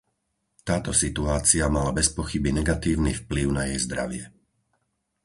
Táto situácia mala bezpochyby negatívny vplyv na jej zdravie.